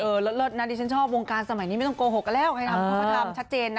เลิศนะดิฉันชอบวงการสมัยนี้ไม่ต้องโกหกกันแล้วใครทำเขาก็ทำชัดเจนนะ